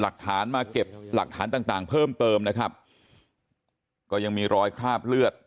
หลักฐานมาเก็บหลักฐานต่างต่างเพิ่มเติมนะครับก็ยังมีรอยคราบเลือด